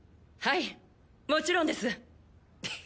はいもちろんです！